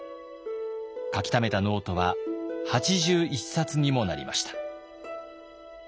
書きためたノートは８１冊にもなりました。